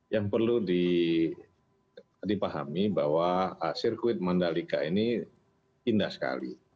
yang perlu dipahami bahwa sirkuit mandalika ini indah sekali